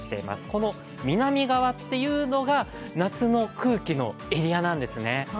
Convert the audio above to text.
この南側というのが夏の空気のエリアなんですね。